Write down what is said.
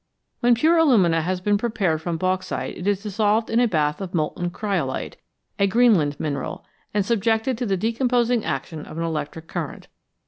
When pure alumina has been prepared from bauxite it is dissolved in a bath of molten cryolite a Greenland mineral and subjected to the decomposing action of an electric current.